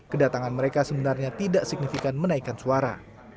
kedatangan mereka sebenarnya tidak signifikan menaikkan suara